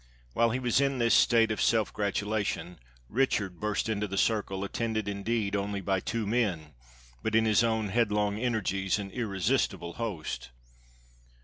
While he was in this state of self gratulation, Richard burst into the circle, attended, indeed, only by two men, but in his own head long energies an irresistible host.